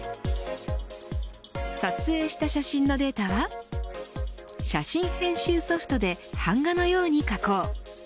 撮影した写真のデータは写真編集ソフトで版画のように加工。